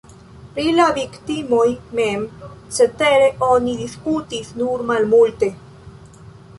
Pri la viktimoj mem, cetere, oni diskutis nur malmulte.